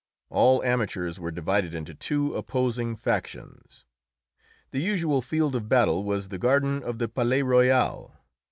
All amateurs were divided into two opposing factions. The usual field of battle was the garden of the Palais Royal.